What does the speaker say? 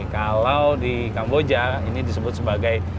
kalau di kamboja ini disebut sebagai